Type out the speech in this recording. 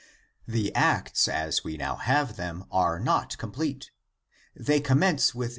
The Acts as we now have them, are not complete. They commence with c.